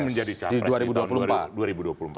menjadi capres di tahun dua ribu dua puluh empat